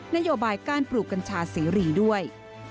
นโยบายการปลูกกัญชาเสรีด้วย